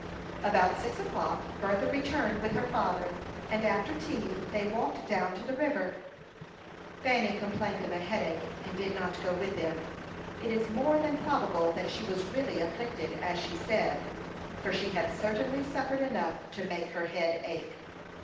About six o'clock Bertha returned with her father; and after tea they walked down to the river. Fanny complained of a headache, and did not go with them. It is more than probable that she was really afflicted, as she said; for she had certainly suffered enough to make her head ache.